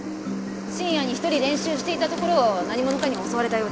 深夜に一人練習していたところを何者かに襲われたようです。